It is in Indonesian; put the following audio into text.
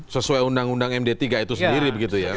sesuai undang undang md tiga itu sendiri begitu ya